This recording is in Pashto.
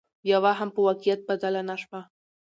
يوه هم په واقعيت بدله نشوه